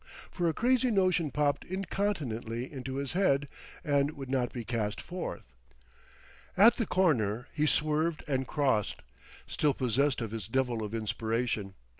For a crazy notion popped incontinently into his head, and would not be cast forth. At the corner he swerved and crossed, still possessed of his devil of inspiration.